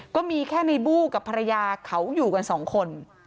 ก็มีแค่ในบู้กับภรรยาเขาอยู่กันสองคน